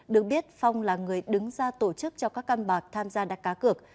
được biết phong là người đứng ra tổ chức cho các căn bạc tham gia đá cá cược